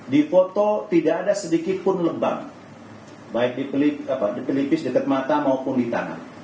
di foto tidak ada sedikit pun lebam baik di pelipis dekat mata maupun di tangan